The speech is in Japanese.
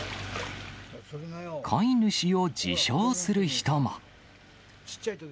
飼い主を自称する人も。